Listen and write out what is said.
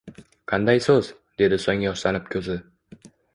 — Qanday soz! – dedi so’ng yoshlanib ko’zi.